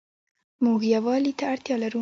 مونږ يووالي ته اړتيا لرو